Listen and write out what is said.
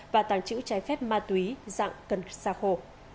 và tàng trữ trái phép ma túy dạng cần xa khô